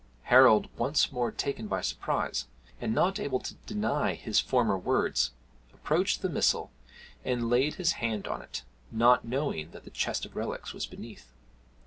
Harold, once more taken by surprise, and not able to deny his former words, approached the missal, and laid his hand on it, not knowing that the chest of relics was beneath.